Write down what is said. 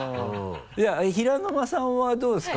平沼さんはどうですか？